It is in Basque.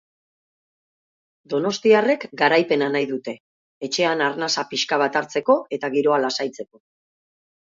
Donostiarrek garaipena nahi dute, etxean arnasa pixka bat hartzeko eta giroa lasaitzeko.